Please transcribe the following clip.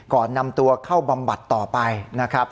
ก่อนนำตัวเข้าบำบัดต่อไปนะครับ